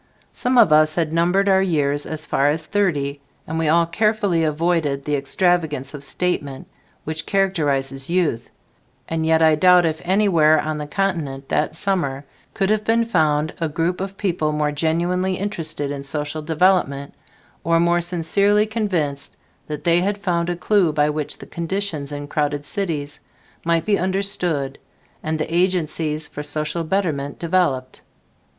Some of us had numbered our years as far as thirty, and we all carefully avoided the extravagance of statement which characterizes youth, and yet I doubt if anywhere on the continent that summer could have been found a group of people more genuinely interested in social development or more sincerely convinced that they had found a clue by which the conditions in crowded cities might be understood and the agencies for social betterment developed.